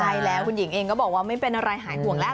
ใช่แล้วคุณหญิงเองก็บอกว่าไม่เป็นอะไรหายห่วงแล้ว